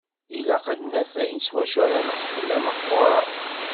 Ilaq ad d-naf ayen s wacu ara neqfel ameqqur-a.